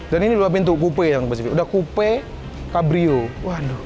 dan ini dua pintu coupe yang pas udah coupe cabrio waduh